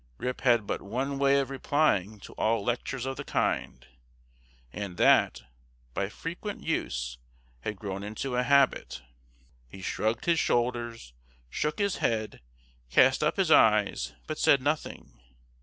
Rip had but one way of replying to all lectures of the kind, and that, by frequent use, had grown into a habit. He shrugged his shoulders, shook his head, cast up his eyes, but said nothing.